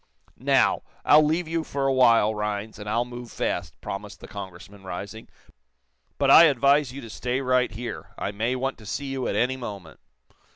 "Now, I'll leave you for a while, Rhinds, and I'll move fast," promised the Congressman, rising. "But I advise you to stay right here. I may want to see you at any moment."